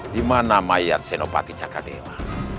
di mana mayat senopati sakar dewa